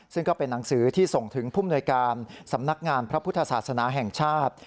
ซึ่งก็เป็นหนังสือที่ส่งถึงผู้มนวยการสำนักงานพระพุทธศาสนาแห่งชาติ